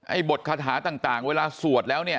บทคาถาต่างเวลาสวดแล้วเนี่ย